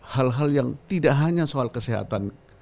hal hal yang tidak hanya soal kesehatan